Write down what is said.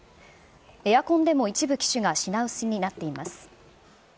エアコンでも一部機種が品薄になっています。